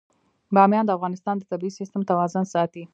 بامیان د افغانستان د طبعي سیسټم توازن ساتي.